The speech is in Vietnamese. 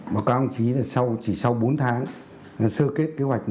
các ông chí chỉ sau bốn tháng sơ kết kế hoạch một trăm linh năm